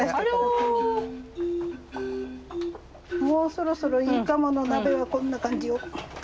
もうそろそろいいかもの鍋はこんな感じよ。